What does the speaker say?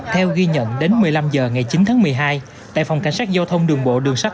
theo ghi nhận đến một mươi năm h ngày chín tháng một mươi hai tại phòng cảnh sát giao thông đường bộ đường sắt